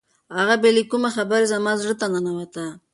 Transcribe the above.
هغه بې له کومې خبرې زما زړه ته ننوته.